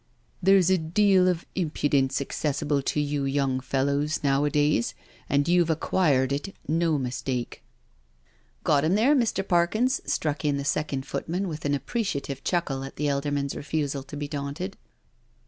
'*" There's a deal of impudence accessible to you young fellows, nowadays, and you've acquired it, no mistake." aio NO SURRENDER " Got 'im there, Mr. Parkins/* struck in the second footman, with an appreciative chuckle at the elder man's refusal to be daunted.